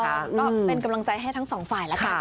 ติดตามก็เป็นกำลังใจให้ทั้งสองฝ่ายแล้วค่ะ